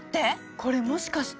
これもしかして。